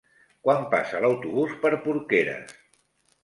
Quan passa l'autobús per Porqueres?